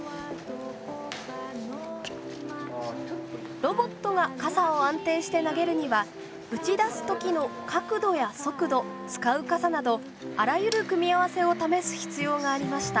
ロボットが傘を安定して投げるにはうち出す時の角度や速度使う傘などあらゆる組み合わせを試す必要がありました。